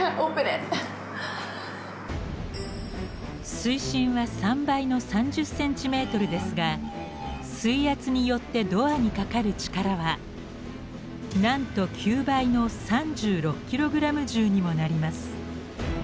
水深は３倍の３０ｃｍですが水圧によってドアにかかる力はなんと９倍の３６ｋｇ重にもなります。